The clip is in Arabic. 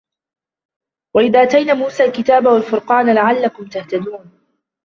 وإذ آتينا موسى الكتاب والفرقان لعلكم تهتدون